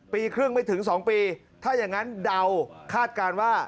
ปีครึ่งไม่ถึง๒ปีถ้าอย่างนั้นเดาคาดการณ์ว่า